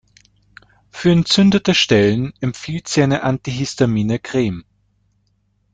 Für entzündete Stellen empfiehlt sie eine antihistamine Creme.